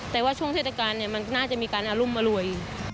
แต่ว่าช่วงเทศกาลมันน่าจะมีการอรุมอร่วย